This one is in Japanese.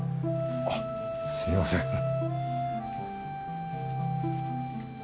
あっすみません。